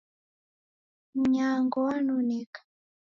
Mnyango wanoneka.